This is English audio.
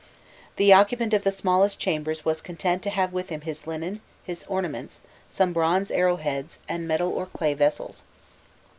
The occupant of the smallest chambers was content to have with him his linen, his ornaments, some bronze arrowheads, and metal or clay vessels.